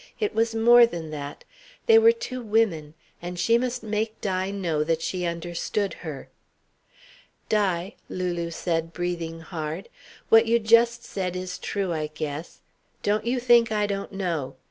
It was more than that. They were two women. And she must make Di know that she understood her. "Di," Lulu said, breathing hard, "what you just said is true, I guess. Don't you think I don't know.